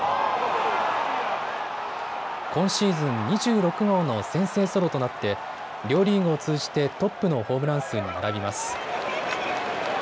今シーズン２６号の先制ソロとなって両リーグを通じてトップのホームラン数に並びます。